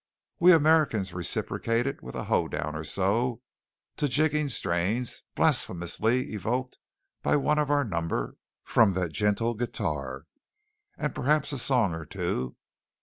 We Americans reciprocated with a hoe down or so, to jigging strains blasphemously evoked by one of our number from that gentle guitar; and perhaps a song or two.